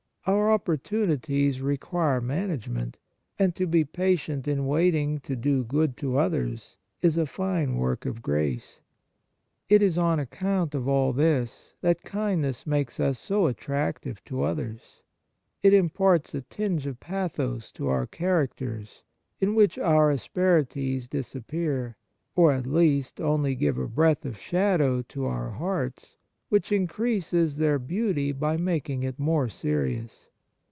Our opportunities require management, and to be patient in waiting to do good to others is a fine work of grace. It is on account of all this that kindness makes us so attractive to others. It im parts a tinge of pathos to our characters, 42 Kindness in which our asperities disappear, or at least only give a breadth of shadow to our hearts, which increases their beauty by making it more serious.